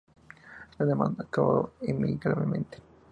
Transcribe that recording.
La demanda acabó amigablemente.